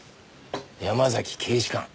山崎警視監